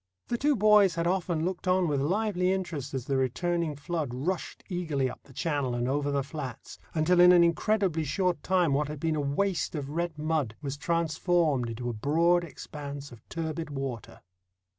The two boys had often looked on with lively interest as the returning flood rushed eagerly up the channel and over the flats, until in an incredibly short time what had been a waste of red mud was transformed into a broad expanse of turbid water.